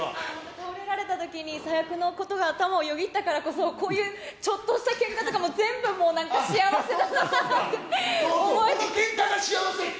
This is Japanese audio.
倒れられたときに最悪のことが頭をよぎったからこそ、こういう、ちょっとしたけんかとかも、全部もうなんか幸せだなって思えて。